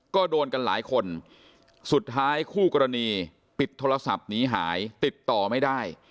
ก็โดนกันหลายคนสุดท้ายคู่กรณีปิดโทรศัพท์หนีหายติดต่อไม่ได้